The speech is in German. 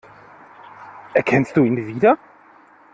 Erkennst du ihn wieder?